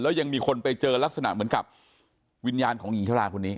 แล้วยังมีคนไปเจอลักษณะเหมือนกับวิญญาณของหญิงชะลาคนนี้